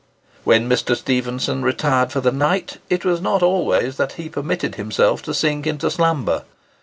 When Mr. Stephenson retired for the night, it was not always that he permitted himself to sink into slumber.